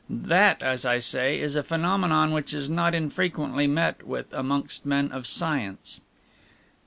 That, as I say, is a phenomenon which is not infrequently met with amongst men of science."